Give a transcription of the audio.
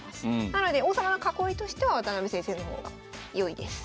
なので王様の囲いとしては渡辺先生の方が良いです。